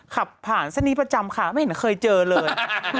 ขับผ่านเส้นนี้ประจำค่ะไม่เห็นเคยเจอเลย